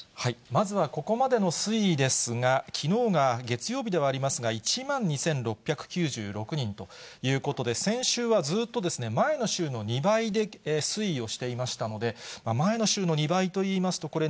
まずはここまでの推移ですが、きのうが月曜日ではありますが、１万２６９６人ということで、先週はずっと前の週の２倍で推移をしていましたので、前の週の２倍といいますと、これ、